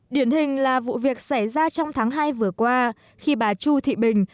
điển hình là vụ việc xảy ra trong tháng hai vừa qua khi bà chu thị bình